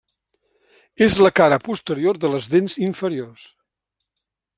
És la cara posterior de les dents inferiors.